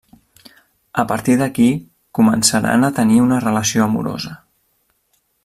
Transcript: A partir d'aquí, començaran a tenir una relació amorosa.